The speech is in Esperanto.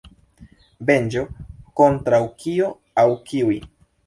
Venĝo kontraŭ kio aŭ kiuj?